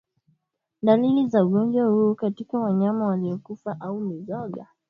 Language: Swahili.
Dalili za ugonjwa huu katika wanyama waliokufa au mizoga